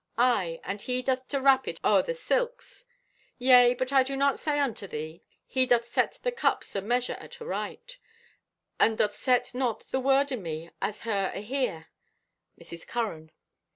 Aye, and he doth to wrap it o'er o' silks. Yea, but I do say unto thee, he doth set the cups o' measure at aright, and doth set not the word o' me as her ahere (Mrs. Curran).